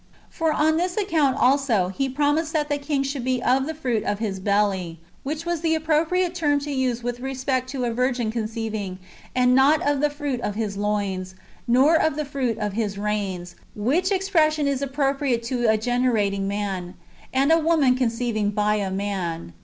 For on this account also. He promised that the King should be " of the fruit of his hellf/" which was the appropriate [term to use with respect] to a virgin conceiving, and not ^' of the fruit of his loins" nor '^ of the fruit of his reins" which expression is appropriate to a generating man, and a woman conceiving by a man.